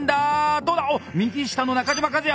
どうだおっ右下の中島一也